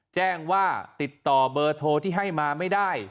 แจ้งว่าติดต่อเบอร์โทรที่ให้มาไม่ได้